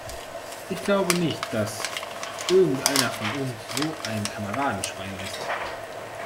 Ich glaube nicht, dass irgendeiner von uns so ein Kameradenschwein ist.